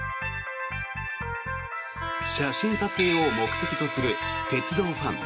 写真撮影を目的とする鉄道ファン。